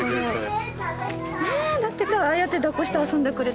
ああやってだっこして遊んでくれて。